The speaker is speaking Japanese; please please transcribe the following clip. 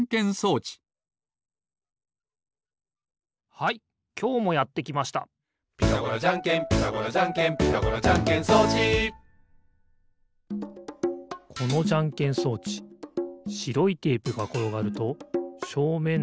はいきょうもやってきました「ピタゴラじゃんけんピタゴラじゃんけん」「ピタゴラじゃんけん装置」このじゃんけん装置しろいテープがころがるとしょうめんのかんづめにあたる。